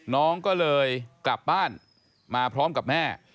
น้องก็เลยกลับบ้านมาพร้อมกับแม่